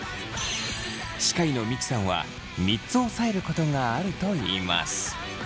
歯科医の三木さんは３つおさえることがあるといいます。